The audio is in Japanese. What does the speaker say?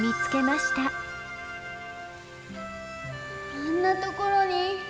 あんなところに。